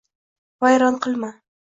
Vayron qilma